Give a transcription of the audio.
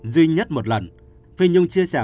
duy nhất một lần phi nhung chia sẻ